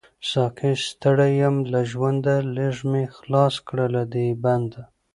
ساقۍ ستړی يم له ژونده، ليږ می خلاص کړه له دی بنده